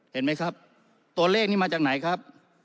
เห็นไหมครับตัวเลขนี้มาจากไหนครับ